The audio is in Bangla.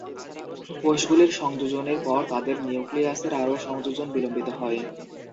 কোষগুলির সংযোজনের পর, তাদের নিউক্লিয়াসের আরও সংযোজন বিলম্বিত হয়।